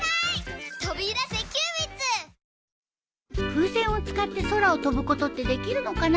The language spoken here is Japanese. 風船を使って空を飛ぶことってできるのかな？